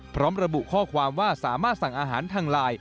พร้อมระบุข้อความว่าสามารถสั่งอาหารทางไลน์